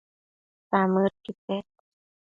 samëdquid bed